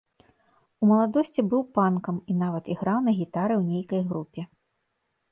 У маладосці быў панкам і нават іграў на гітары ў нейкай групе.